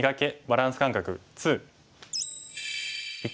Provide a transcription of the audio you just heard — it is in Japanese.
バランス感覚２」。